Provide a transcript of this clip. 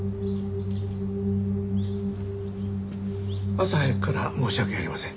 朝早くから申し訳ありません。